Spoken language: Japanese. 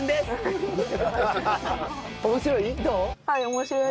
面白い？